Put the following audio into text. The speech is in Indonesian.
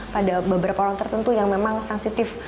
pada beberapa orang tertentu yang memang sensitif